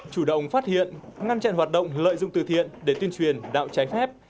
chủ động phát hiện ngăn chặn hoạt động lợi dụng từ thiện để tuyên truyền đạo trái phép